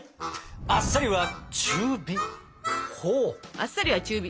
「あっさりは中火」。